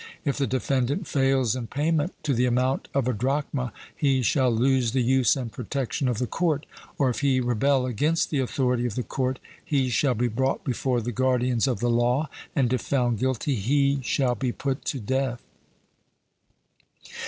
If the defendant fails in payment to the amount of a drachma, he shall lose the use and protection of the court; or if he rebel against the authority of the court, he shall be brought before the guardians of the law, and if found guilty he shall be put to death.